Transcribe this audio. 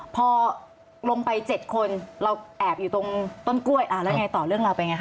พอลงไป๗คนอาบอยู่ตอนก้วยแล้วต่อเรื่องละไปไง